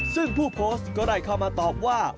ซึ่งผู้โพสต์ก็ได้เข้ามาตอบว่า